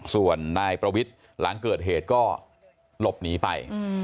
ส่วนนายประวิทย์หลังเกิดเหตุก็หลบหนีไป